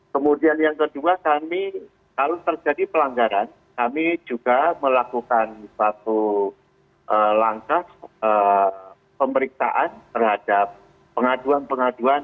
kemudian yang kedua kami kalau terjadi pelanggaran kami juga melakukan suatu langkah pemeriksaan terhadap pengaduan pengaduan